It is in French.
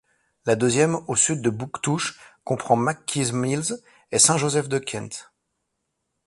La deuxième, au Sud de Bouctouche, comprend McKees Mills et Saint-Joseph-de-Kent.